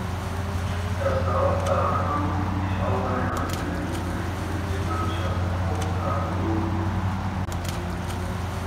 Das Dorf Barham liegt auf einer Anhöhe in einer hügeligen Landschaft mit fruchtbaren Lehmböden.